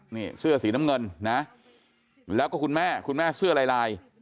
นี่เสื้อสีน้ำเงินนะแล้วก็คุณแม่คุณแม่เสื้อลายลาย